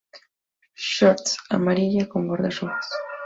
Shorts:Amarilla con bordes rojos.